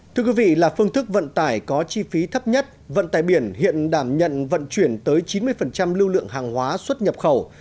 thưa quý vị là phương thức vận tải có chi phí thấp nhất vận tải biển hiện đảm nhận vận chuyển tới chín mươi lưu lượng hàng hóa xuất nhập khẩu